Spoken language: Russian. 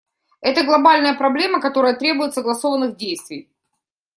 Это глобальная проблема, которая требует согласованных действий.